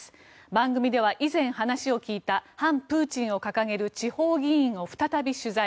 番組では以前、話を聞いた反プーチンを掲げる地方議員を再び取材。